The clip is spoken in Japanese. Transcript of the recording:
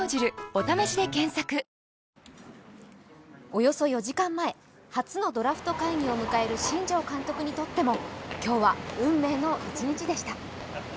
およそ４時間前、初のドラフト会議を迎える新庄監督にとっても今日は運命の一日でした。